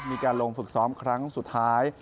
มีการลงฝึกซ้อมครั้งสุดท้าย